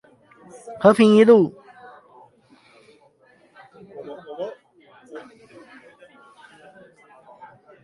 和平一路